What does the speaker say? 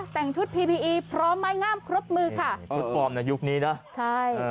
แต่งชุดพีพีอีพร้อมไม้งามครบมือค่ะชุดฟอร์มในยุคนี้นะใช่